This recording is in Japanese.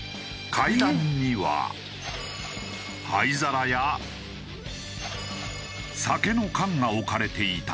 階段には灰皿や酒の缶が置かれていた。